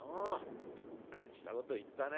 うっかりしたこと言ったね。